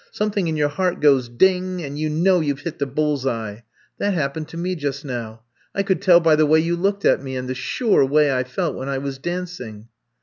Something in your heart goes— ding! and you know you Ve hit the bulPs eye. That happened to me just now. I could tell by the way you looked at me — and the sure way I felt when I was dancing.'